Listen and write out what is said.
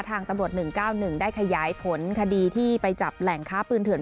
ทางตำรวจ๑๙๑ได้ขยายผลคดีที่ไปจับแหล่งค้าปืนเถื่อน